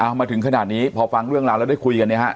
เอามาขึ้นขนาดนี้พอฟังเรื่องเราได้คุยกัน